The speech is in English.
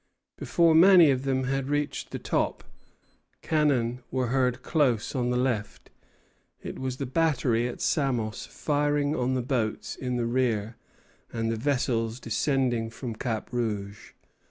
Before many of them had reached the top, cannon were heard close on the left. It was the battery at Samos firing on the boats in the rear and the vessels descending from Cap Rouge.